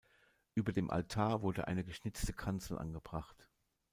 Über dem Altar wurde eine geschnitzte Kanzel angebracht.